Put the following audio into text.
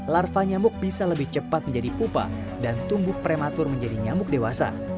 larva nyamuk bisa lebih cepat menjadi pupa dan tumbuh prematur menjadi nyamuk dewasa